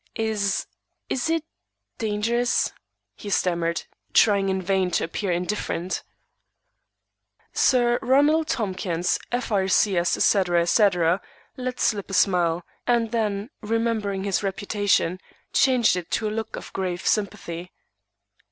"Is is it dangerous?" he stammered, trying in vain to appear indifferent. Sir Ronald Tompkins, F.R.C.S., etc. etc., let slip a smile; and then, remembering his reputation, changed it to a look of grave sympathy.